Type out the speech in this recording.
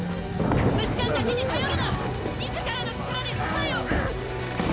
「虫環だけに頼るな自らの力で支えよ！」